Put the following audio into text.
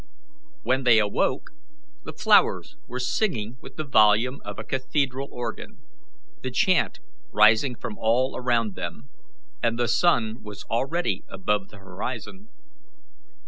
When they awoke, the flowers were singing with the volume of a cathedral organ, the chant rising from all around them, and the sun was already above the horizon.